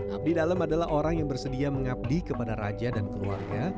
abdi dalam adalah orang yang bersedia mengabdi kepada raja dan keluarga